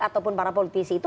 ataupun para politisi itu